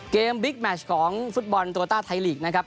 บิ๊กแมชของฟุตบอลโรต้าไทยลีกนะครับ